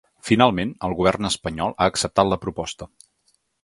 Finalment, el govern espanyol ha acceptat la proposta.